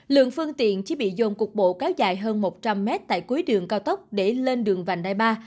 lượng phương tiện chỉ bị dồn cục bộ kéo dài hơn một trăm linh mét tại cuối đường cao tốc để lên đường vành đai ba